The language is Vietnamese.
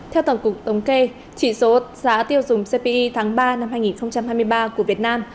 theo tổng cục thống kê chỉ số giá tiêu dùng cpi tháng ba năm hai nghìn hai mươi ba của việt nam